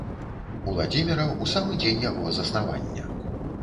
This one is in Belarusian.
Уладзіміра ў самы дзень яго заснавання.